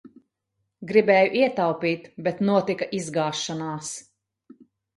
Gribēju ietaupīt, bet notika izgāšanās!